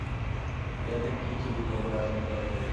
ইহাতে কিছু বিপদের আশঙ্কাও দেখা দিয়াছে।